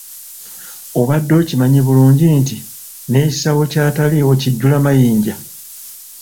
Obadde okimanyi bulungi nti n'ekisawo ky'ataliiwo kijjula mayinja?